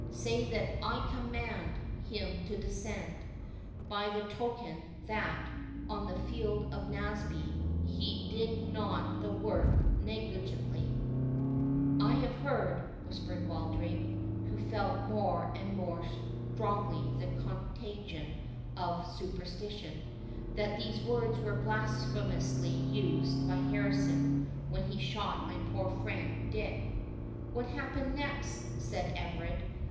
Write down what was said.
Say that I COMMAND him to descend, by the token, that, on the field of Naseby, he did not the work negligently.'" "I have heard," whispered Wildrake—who felt more and more strongly the contagion of superstition—"that these words were blasphemously used by Harrison when he shot my poor friend Dick." "What happened next?" said Everard.